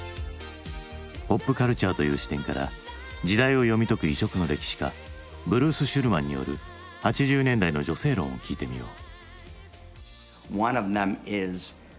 ポップカルチャーという視点から時代を読み解く異色の歴史家ブルース・シュルマンによる８０年代の女性論を聞いてみよう。